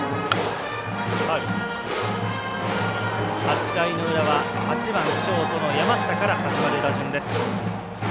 ８回の裏は８番ショートの山下から始まる打順です。